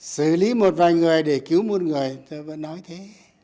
xử lý một vài người để cứu một người tôi vẫn nói thế